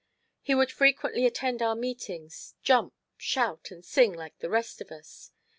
He would frequently attend our meetings, jump, shout and sing, like the rest of us.